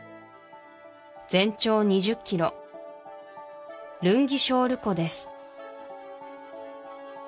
全長２０キロラゥンギショゥル湖です